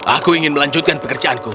aku ingin melanjutkan pekerjaanku